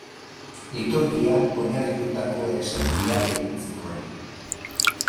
Liturgian oinarritutako ereserkiak egin zituen.